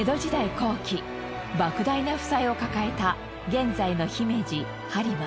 後期莫大な負債を抱えた現在の姫路播磨。